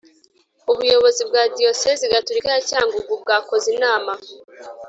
ubuyobozi bwa diyosezi gatolika ya cyangugu bwakoze inama